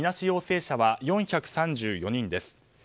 陽性者は４３４人です。